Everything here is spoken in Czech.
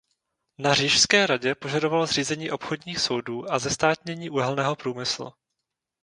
Na Říšské radě požadoval zřízení obchodních soudů a zestátnění uhelného průmyslu.